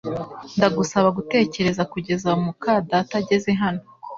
Ndagusaba gutegereza kugeza muka data ageze hano